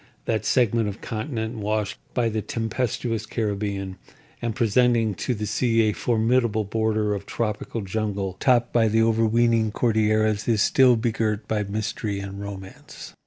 That segment of continent washed by the tempestuous Caribbean, and presenting to the sea a formidable border of tropical jungle topped by the overweening Cordilleras, is still begirt by mystery and romance.